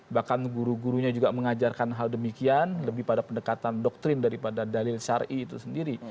bahkan guru gurunya juga mengajarkan hal demikian lebih pada pendekatan doktrin daripada dalil ⁇ syari itu sendiri